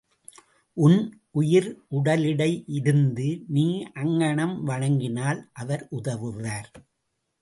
உன் உயிர் உடலிடை இருந்து நீ அங்ஙனம் வணங்கினால் அவர் உதவுவார்.